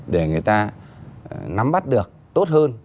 để người ta nắm bắt được tốt hơn